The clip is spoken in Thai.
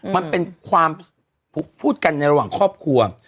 มันเป็นความพูดกันในระหว่างครอบครัว